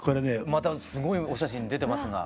またすごいお写真出てますが。